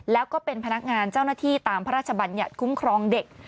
แล้วก็เป็นพนักงานเจ้าหน้าที่ตามพระราชบัญญัติคุ้มครองเด็ก